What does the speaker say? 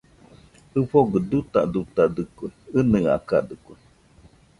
ɨfogɨ dutadutadɨkue, ɨnɨakadɨkue